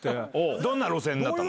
どんな路線になったの？